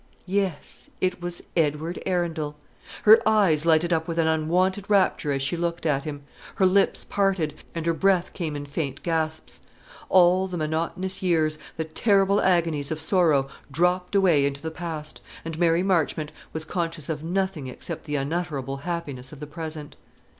Yes; it was Edward Arundel. Her eyes lighted up with an unwonted rapture as she looked at him; her lips parted; and her breath came in faint gasps. All the monotonous years, the terrible agonies of sorrow, dropped away into the past; and Mary Marchmont was conscious of nothing except the unutterable happiness of the present.